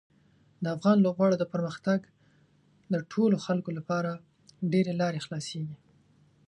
د افغان لوبغاړو د پرمختګ د ټولو خلکو لپاره ډېرې لارې خلاصیږي.